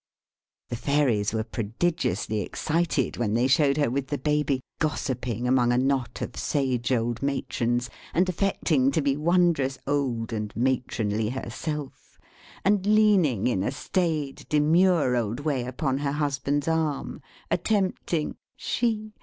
The Fairies were prodigiously excited when they showed her, with the Baby, gossiping among a knot of sage old matrons, and affecting to be wondrous old and matronly herself, and leaning in a staid, demure old way upon her husband's arm, attempting she!